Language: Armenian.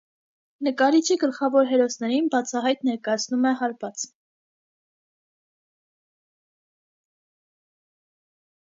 Նկարիչը գլխավոր հերոսներին բացահայտ ներկայացնում է հարբած։